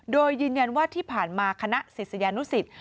โดยยืนยันว่าที่ผ่านมาคณะศิษยานุสิต